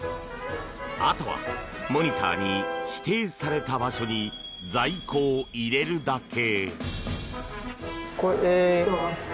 あとはモニターに指定された場所に在庫を入れるだけ。